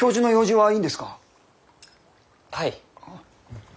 はい。